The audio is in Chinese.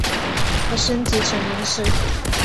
可升级成麟师。